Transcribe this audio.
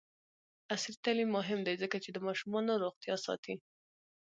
عصري تعلیم مهم دی ځکه چې د ماشومانو روغتیا ساتي.